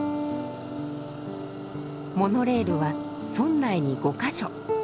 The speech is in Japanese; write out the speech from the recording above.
モノレールは村内に５か所。